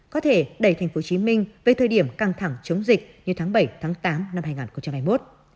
có thể đẩy tp hcm về thời điểm căng thẳng chống dịch như tháng bảy tháng tám năm hai nghìn hai mươi một